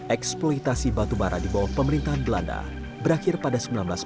eksploitasi batu bara di bawah pemerintahan belanda berakhir pada seribu sembilan ratus empat puluh dua